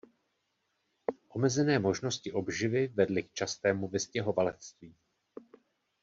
Omezené možnosti obživy vedly k častému vystěhovalectví.